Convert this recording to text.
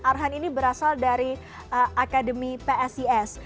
arhan ini berasal dari akademi psis